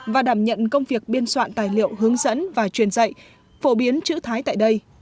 và đảm nhận công việc biên soạn tài liệu hướng dẫn và truyền dạy phổ biến chữ thái tại đây